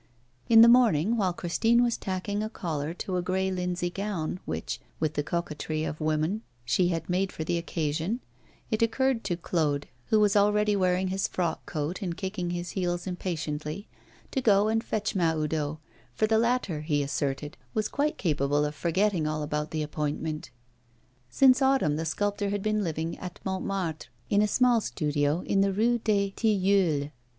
In the morning, while Christine was tacking a collar to a grey linsey gown which, with the coquetry of woman, she had made for the occasion, it occurred to Claude, who was already wearing his frock coat and kicking his heels impatiently, to go and fetch Mahoudeau, for the latter, he asserted, was quite capable of forgetting all about the appointment. Since autumn, the sculptor had been living at Montmartre, in a small studio in the Rue des Tilleuls.